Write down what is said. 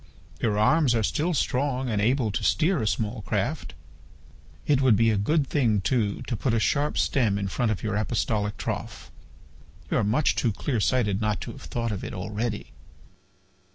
Your arms are still strong and able to steer a small craft. It would be a good thing, too, to put a sharp stem in front of your apostolic trough. You are much too clear sighted not to have thought of it already."